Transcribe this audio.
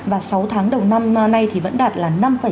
và sáu tháng đầu năm nay thì vẫn đạt là năm sáu mươi bốn